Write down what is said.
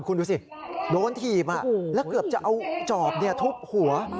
คุณดูสิโดนถีบแล้วเกือบจะเอาจอบทุบหัว